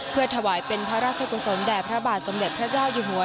เพื่อถวายเป็นพระราชกุศลแด่พระบาทสมเด็จพระเจ้าอยู่หัว